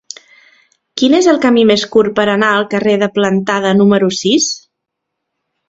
Quin és el camí més curt per anar al carrer de Plantada número sis?